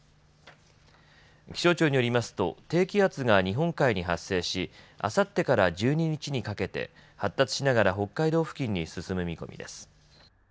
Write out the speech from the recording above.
気象庁によりますと低気圧が日本海に発生しあさってから１２日にかけて発達しながら北海道付近に進む見込みです。